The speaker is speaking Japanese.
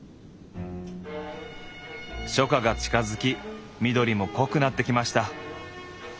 初夏が近づき緑も濃くなってきました。